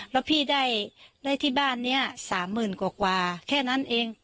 แล้วพี่ได้ที่บ้านนี้๓๐๐๐กว่าแค่นั้นเอง